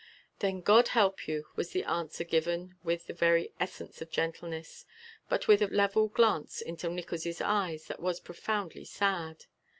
"Then God help you," was the answer given with the very essence of gentleness, but with a level glance into Nickols' eyes that was profoundly sad.